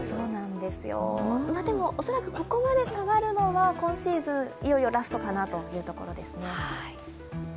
でも恐らくここまで下がるのは今シーズン、いよいよラストかなというところですね。